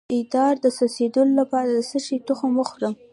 د ادرار د څڅیدو لپاره د څه شي تخم وخورم؟